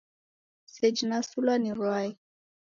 Seji nasulwa ni rwai.